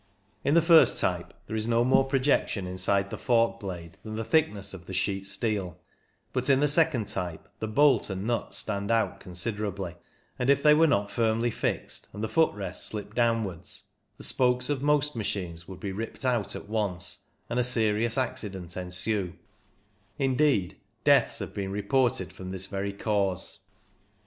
In the first type there is no more projec tion inside the fork blade than the thickness of the sheet steel, but in the second type the bolt and nut stand out considerably, and if they were not firmly fixed, and the foot rest slipped downwards, the spokes of most machines would be ripped out at once and a serious accident ensue ; indeed, deaths have been reported from this very cause.